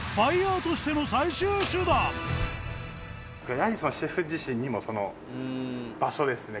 やはりシェフ自身にも場所ですね。